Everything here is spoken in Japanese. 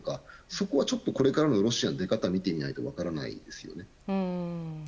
そこはこれからのロシアの出方を見てみないと分からないですね。